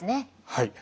はい。